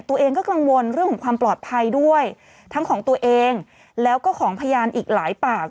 ตัวเองก็กังวลเรื่องของความปลอดภัยด้วยทั้งของตัวเองแล้วก็ของพยานอีกหลายปาก